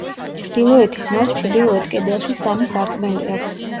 ჩრდილოეთის ნავს ჩრდილოეთ კედელში სამი სარკმელი აქვს.